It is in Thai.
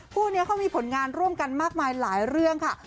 คู่นี้เขามีผลงานร่วมกันมากมายหลายเรื่องค่ะ